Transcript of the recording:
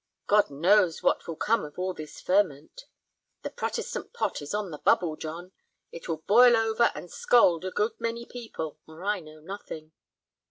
God knows what will come of all this ferment. The Protestant pot is on the bubble, John; it will boil over and scald a good many people, or I know nothing."